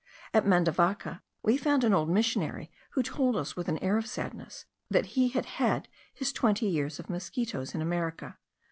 At Mandavaca we found an old missionary, who told us with an air of sadness, that he had had his twenty years of mosquitos in America*.